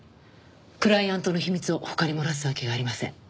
クライアントの秘密を他に漏らすわけがありません。